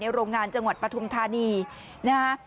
โรงงานจังหวัดปฐุมธานีนะฮะ